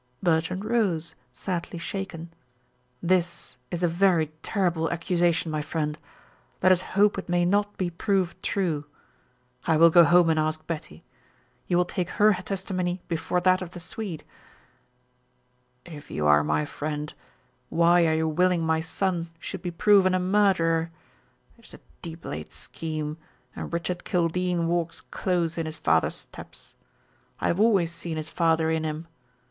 Bertrand rose, sadly shaken. "This is a very terrible accusation, my friend. Let us hope it may not be proved true. I will go home and ask Betty. You will take her testimony before that of the Swede?" "If you are my friend, why are you willing my son should be proven a murderer? It is a deep laid scheme, and Richard Kildene walks close in his father's steps. I have always seen his father in him.